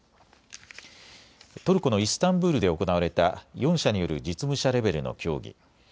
トルコのイスタンブールでで行われた４者による実務者レベルの協議。